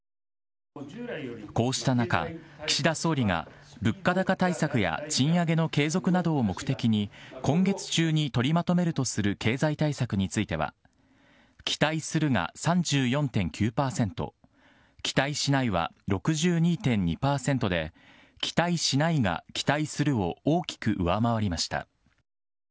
こうした中、岸田総理が物価高対策や賃上げの継続などを目的に、今月中に取りまとめるとする経済対策については、期待するが３４．９％、期待しないは６２．２％で、期待しないが期待するを大きく上回りました。